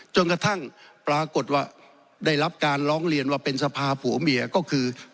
จนกระทั่งปรากฏว่าได้รับการร้องเรียนว่าเป็นสภาผัวเมียก็คือ